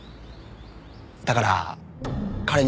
だから彼には。